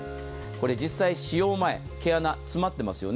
実際使用前、毛穴詰まってますよね